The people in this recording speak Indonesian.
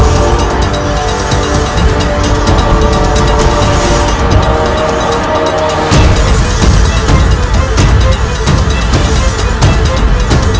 theories dokter berkambing belum salat ageng perti carsimu